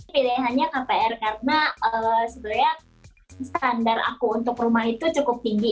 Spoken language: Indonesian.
pilihannya kpr karena sebenarnya standar aku untuk rumah itu cukup tinggi